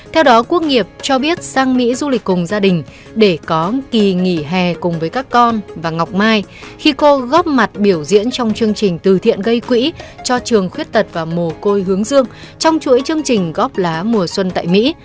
theo đó quốc nghiệp cho biết sang mỹ du lịch cùng gia đình để có kỳ nghỉ hè cùng với các con và ngọc mai khi cô góp mặt biểu diễn trong chương trình từ thiện gây quỹ cho trường khuyết tật và mồ côi hướng dương trong chuỗi chương trình góp lá mùa xuân tại mỹ